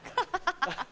ハハハ。